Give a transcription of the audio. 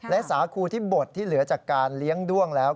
และสาคูที่บดที่เหลือจากการเลี้ยงด้วงแล้ว